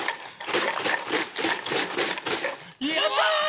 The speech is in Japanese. やった！